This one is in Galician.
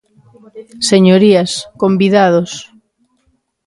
Señorías, convidados.